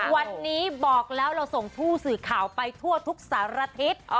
วันนี้บอกแล้วเราส่งผู้สื่อข่าวไปทั่วทุกสารทิศ